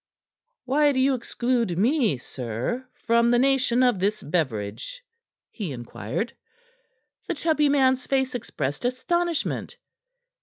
"Why do you exclude me, sir, from the nation of this beverage?" he inquired. The chubby man's face expressed astonishment.